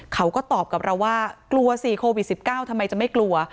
เขาก็ตอบกับเราว่ากลัวสิโควิด๑๙ทำไมจะไม่กลัว